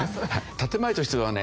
建前としてはね